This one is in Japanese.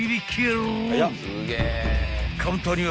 ［カウンターには］